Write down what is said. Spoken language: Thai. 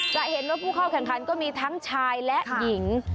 จะเห็นว่าผู้เข้าแข่งขันก็มีทั้งชายและหญิง